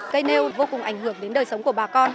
cây nêu vô cùng ảnh hưởng đến đời sống của bà con